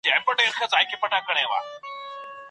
ښځه خاوند ته په مقابل کي عوض ورکوي.